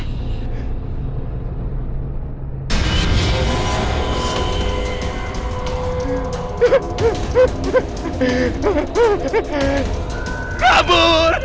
nah sarang gue